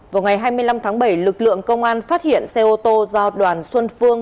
vào ngày hai mươi năm tháng bảy lực lượng công an phát hiện xe ô tô do đoàn xuân phương